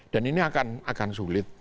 dan ini akan sulit